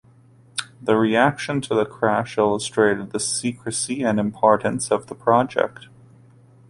The reaction to the crash illustrated the secrecy and importance of the project.